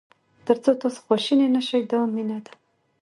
تر څو تاسو خواشینی نه شئ دا مینه ده.